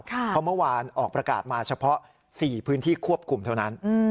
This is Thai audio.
เพราะเมื่อวานออกประกาศมาเฉพาะ๔พื้นที่ควบคุมเท่านั้น